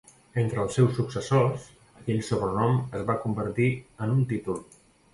Entre els seus successors, aquell sobrenom es va convertir en un títol.